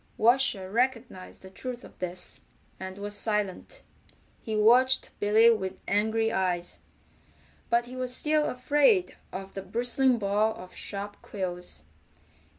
Washer recognized the truth of this, and was silent. He watched Billy with angry eyes, but he was still afraid of the bristling ball of sharp quills.